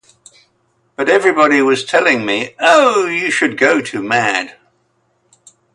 But everybody was telling me, 'Oh, you should go to "Mad".